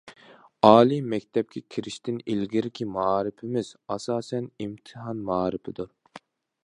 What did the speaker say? ئالىي مەكتەپكە كىرىشتىن ئىلگىرىكى مائارىپىمىز، ئاساسەن، ئىمتىھان مائارىپىدۇر.